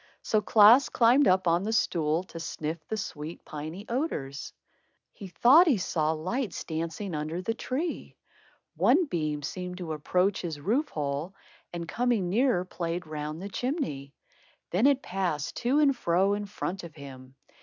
So Klaas climbed up on the stool to sniff the sweet piny odors. He thought he saw lights dancing under the tree. One beam seemed to approach his roof hole, and coming nearer played round the chimney. Then it passed to and fro in front of him.